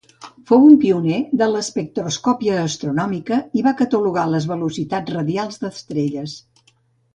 Fou un pioner de l'espectroscòpia astronòmica i va catalogar les velocitats radials d'estrelles.